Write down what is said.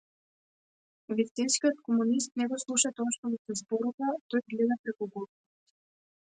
Вистинскиот комунист не го слуша тоа што му се зборува, тој гледа преку говорот.